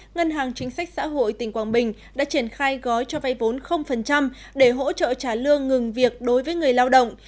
ngân hàng chính sách xã hội tỉnh quảng bình đã triển khai gói cho vay vốn để hỗ trợ trả lương ngừng việc đối với người lao động